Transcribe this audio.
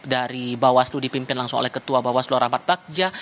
dari bawah itu dipimpin langsung oleh ketua bawas luar amat bagja